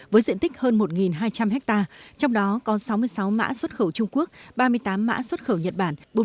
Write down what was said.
với diện tích hơn một hai trăm linh ha trong đó có sáu mươi sáu mã xuất khẩu trung quốc ba mươi tám mã xuất khẩu nhật bản